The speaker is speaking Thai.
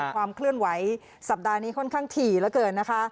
ความเคลื่อนไหวสัปดาห์นี้ค่อนข้างถี่เหลือเกินนะคะ